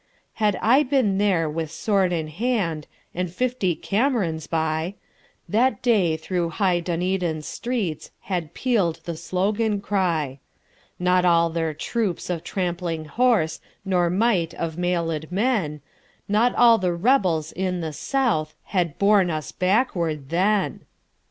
Had I been there with sword in hand, And fifty Camerons by, That day through high Dunedin's streetsHad peal'd the slogan cry. Not all their troops of trampling horse, Nor might of mailed men, Not all the rebels in the southHad borne us backwards then!